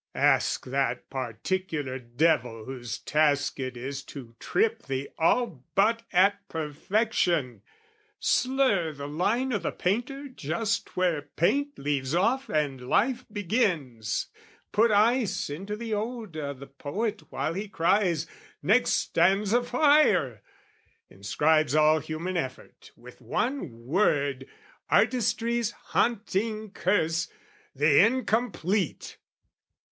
Ask that particular devil whose task it is To trip the all but at perfection, slur The line o' the painter just where paint leaves off And life begins, puts ice into the ode O' the poet while he cries "Next stanza fire!" Inscribes all human effort with one word, Artistry's haunting curse, the Incomplete!